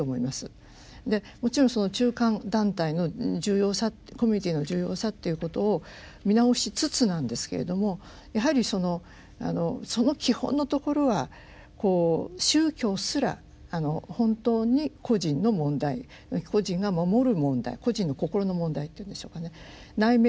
でもちろん中間団体の重要さコミュニティーの重要さっていうことを見直しつつなんですけれどもやはりその基本のところは宗教すら本当に個人の問題個人が守る問題個人の心の問題というんでしょうかね